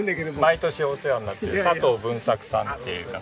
毎年お世話になってる佐藤文作さんっていう方。